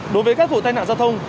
đối với các vụ tai nạn giao thông